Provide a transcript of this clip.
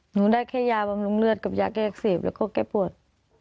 หนูได้แค่ยาบำรุงเลือดกับยาแก้อักเสบแล้วก็แก้ปวด